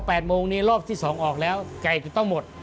พอ๘โมงนี้รอบที่๒ออกแล้วไก่ก็ต้องหมด